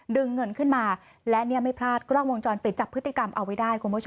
ดึงเงินขึ้นมาและเนี่ยไม่พลาดกล้องวงจรปิดจับพฤติกรรมเอาไว้ได้คุณผู้ชม